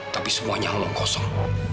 tapi semuanya leluhur kosong